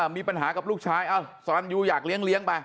มีปัญหากับลูกชายสรรยูอยากเลี้ยงไป